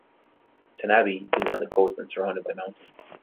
Tanabe is on the coast and surrounded by mountains.